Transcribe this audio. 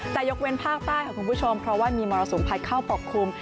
แต่ยกเว้นภาคใต้ค่ะคุณผู้ชมเพราะว่ามีมรสุมพัดเข้าปกคลุม